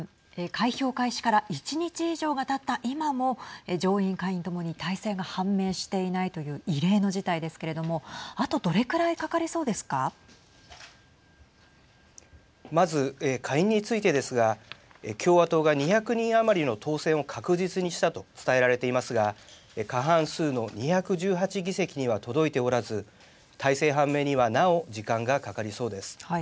開票開始から１日以上がたった今も上院下院ともに大勢が判明していないという異例の事態ですけれどもあとどれくらいまず、下院についてですが共和党が２００人余りの当選を確実にしたと伝えられていますが過半数の２１８議席には届いておらず大勢判明にはなお時間がかかりそうです。